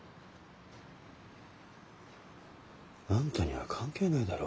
あんたには関係ないだろ。